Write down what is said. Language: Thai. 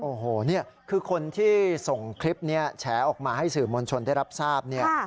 โอ้โหนี่คือคนที่ส่งคลิปนี้แฉออกมาให้สื่อมวลชนได้รับทราบเนี่ย